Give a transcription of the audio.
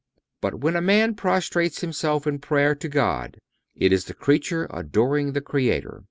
But when a man prostrates himself in prayer to God it is the creature adoring the Creator.